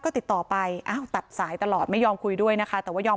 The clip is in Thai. ก็ติดต่อไปอ้าวตัดสายตลอดไม่ยอมคุยด้วยนะคะแต่ว่ายอม